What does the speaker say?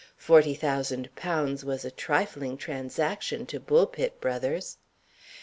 Forty thousand pounds was a trifling transaction to Bulpit Brothers.